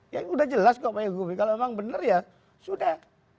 ya udah jelas kok pak jokowi kalau memang benar ya sudah